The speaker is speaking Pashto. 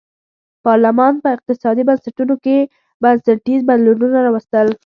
پارلمان په اقتصادي بنسټونو کې بنسټیز بدلونونه راوستل.